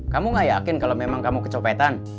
kamu gak yakin kalau memang kamu kecopetan